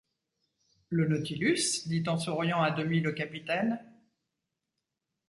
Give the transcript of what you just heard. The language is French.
Le Nautilus? dit en souriant à demi le capitaine.